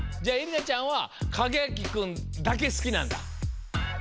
じゃあえりなちゃんはかげあきくんだけすきなんだ？